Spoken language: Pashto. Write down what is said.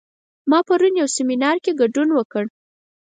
ما پرون یو سیمینار کې ګډون وکړ